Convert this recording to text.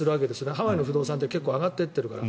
ハワイの不動産って結構上がってってるから。